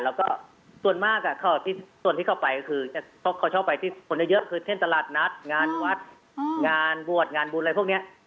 แล้วก็ส่วนมากส่วนที่เขาไปก็คือเขาชอบไปที่คนเยอะคือเช่นตลาดนัดงานวัดงานบวชงานบุญอะไรพวกนี้